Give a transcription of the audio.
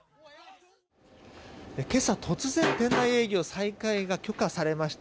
今朝、突然店内営業が許可されました。